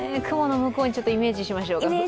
雲の向こうにイメージしましょうか。